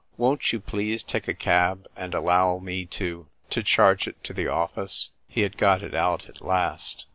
Won't you please take a cab, and allow me to — to charge it to the office?" He had got it out at last.